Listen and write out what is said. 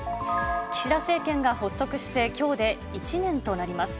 岸田政権が発足して、きょうで１年となります。